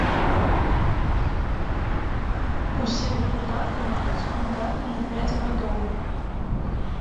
Усе дэпутаты маюць мандаты на пяць гадоў.